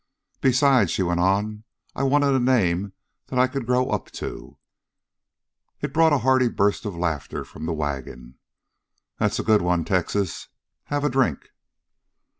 "Besides," she went on, "I wanted a name that I could grow up to." It brought a hearty burst of laughter from the wagon. "That's a good one, Texas. Have a drink?"